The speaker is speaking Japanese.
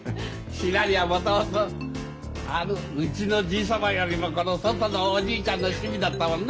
しらりはもともとあの内のじい様よりもこの外のおじいちゃんの趣味だったもんな？